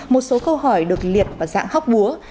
một số câu hỏi được liệt vào dạng hóc búa